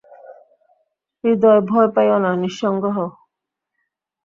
হৃদয়, ভয় পাইও না, নিঃসঙ্গ হও।